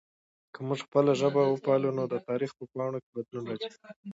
که موږ خپله ژبه وپالو نو د تاریخ په پاڼو کې بدلون راځي.